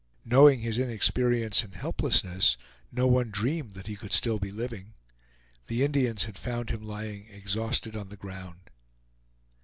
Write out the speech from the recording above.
Knowing his inexperience and helplessness, no one dreamed that he could still be living. The Indians had found him lying exhausted on the ground.